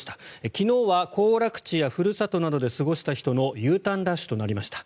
昨日は行楽地やふるさとなどで過ごした人のＵターンラッシュとなりました。